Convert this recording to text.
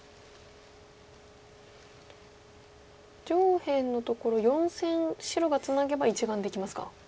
上辺のところ４線白がツナげば１眼できますか。